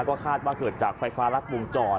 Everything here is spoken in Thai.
ก็คาดว่าเกิดจากไฟฟ้ารัดวงจร